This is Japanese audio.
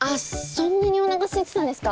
そんなにおなかすいてたんですか？